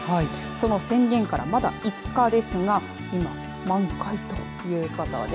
その宣言からまだ５日ですが今満開ということです。